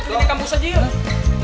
kita duduk di kampus aja ya